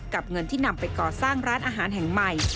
เงินที่นำไปก่อสร้างร้านอาหารแห่งใหม่